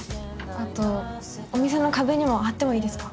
あとお店のかべにもはってもいいですか？